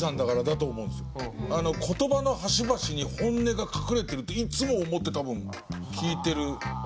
言葉の端々に本音が隠れてるっていつも思って多分聞いてる。